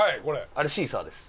あれシーサーです。